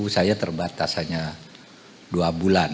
saya terbatas hanya dua bulan